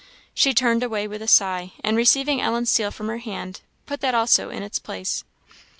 She turned away with a sigh, and receiving Ellen's seal from her hand, put that also in its place.